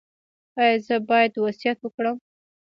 ایا زه باید وصیت وکړم؟